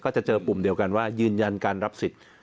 จะเจอปุ่มเดียวกันว่ายืนยันการรับสิทธิ์